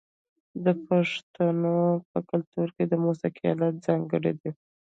د پښتنو په کلتور کې د موسیقۍ الات ځانګړي دي.